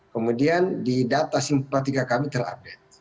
kemudian di data simpatika kami terupdate